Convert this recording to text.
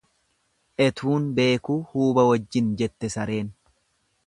Etuun beekuu huuba wajjin jette sareen.